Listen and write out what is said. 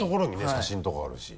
写真とかあるし。